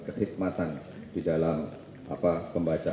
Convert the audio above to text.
sdah sebagai pimpinan